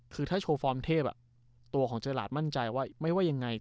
คือถ้าโชว์ฟอร์มเทพตัวของเจอหลาดมั่นใจว่าไม่ว่ายังไง